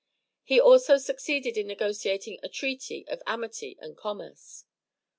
He also succeeded in negotiating a treaty of amity and commerce.